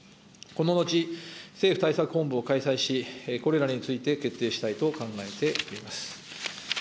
この後、政府対策本部を開催し、これらについて決定したいと考えております。